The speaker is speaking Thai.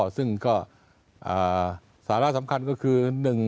ซึ่งก็สาระสำคัญก็คือ